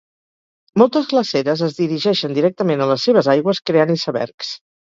Moltes glaceres es dirigeixen directament a les seves aigües creant icebergs.